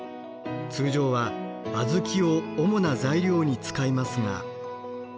通常は小豆を主な材料に使いますが。